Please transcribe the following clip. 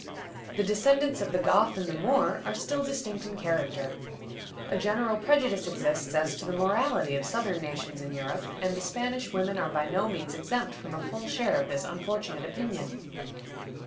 The descendants of the Goth and the Moor are still distinct in character. A general prejudice exists as to the morality of Southern nations in Europe, and the Spanish women are by no means exempt from a full share of this unfortunate opinion.